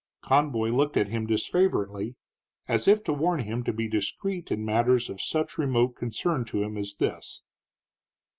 Conboy looked at him disfavoringly, as if to warn him to be discreet in matters of such remote concern to him as this.